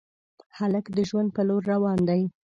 هلک د ژوند په لور روان دی.